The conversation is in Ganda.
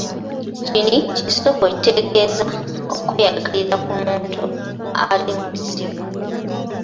Kini kisoko ekitegeeza okweyagalira ku muntu ali mu bizibu.